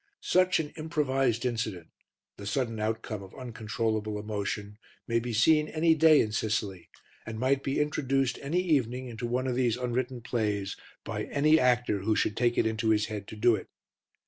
Such an improvised incident, the sudden outcome of uncontrollable emotion, may be seen any day in Sicily and might be introduced any evening into one of these unwritten plays by any actor who should take it into his head to do it.